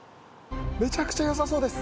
めちゃくちゃよさそうです。